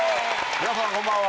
皆さんこんばんは。